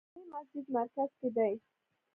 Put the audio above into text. جامع مسجد مرکز کې دی